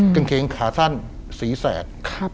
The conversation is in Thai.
กางเกงขาสั้นสีแสด